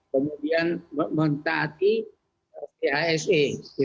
kemudian mentaati case